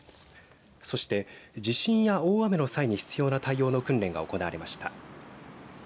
そして、地震や大雨の際に必要な対応の訓練が行われました。